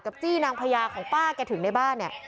กับจี้นางพญาของป้าแกถึงในบ้าน